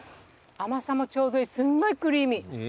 甘さもちょうどいいすんごいクリーミー。